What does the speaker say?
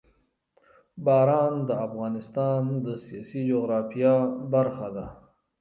باران د افغانستان د سیاسي جغرافیه برخه ده.